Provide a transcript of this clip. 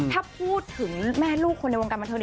ถ้าพูดถึงแม่ลูกคนในวงการบันเทิง